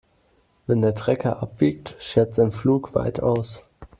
Wenn der Trecker abbiegt, schert sein Pflug weit aus.